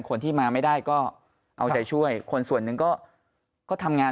คนที่มาไม่ได้ก็เอาใจช่วยคนส่วนหนึ่งก็ทำงาน